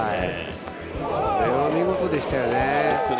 これは見事でしたよね。